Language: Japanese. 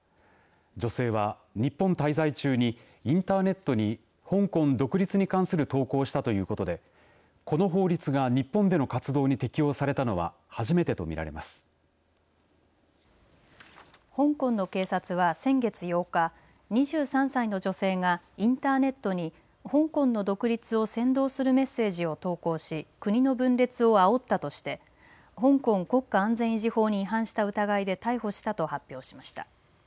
女性は日本滞在中にインターネットに香港独立に関する投稿をしたということでこの法律が日本での活動に適用されたのは香港の警察は先月８日２３歳の女性がインターネットに香港の独立を扇動するメッセージを投稿し国の分裂をあおったとして香港国家安全維持法に違反した疑いで逮捕したと発表しました。